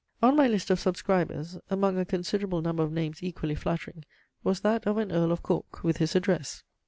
On my list of subscribers, among a considerable number of names equally flattering, was that of an Earl of Cork, with his address.